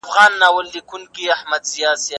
په نارو هم كليوال او هم ښاريان سول